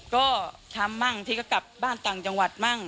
ก็ทำบ้างที่ก็กลับบ้านต่างจังหวัดมั่ง